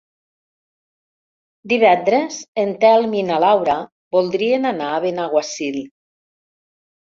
Divendres en Telm i na Laura voldrien anar a Benaguasil.